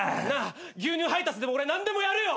牛乳配達でも俺何でもやるよ！